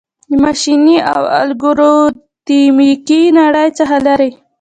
د ماشیني او الګوریتمیکي نړۍ څخه لیري